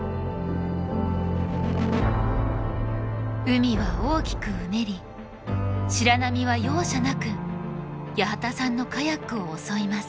海は大きくうねり白波は容赦なく八幡さんのカヤックを襲います。